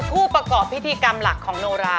ผู้ประกอบพิธีกรรมหลักของโนรา